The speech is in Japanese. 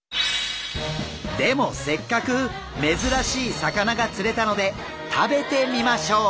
でもせっかく珍しい魚が釣れたので食べてみましょう。